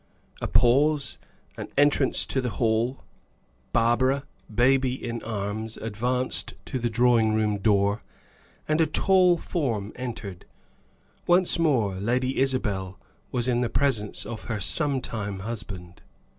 A pause: an entrance to the hall; Barbara, baby in arms, advanced to the drawing room door, and a tall form entered. Once more Lady Isabel was in the presence of her sometime husband.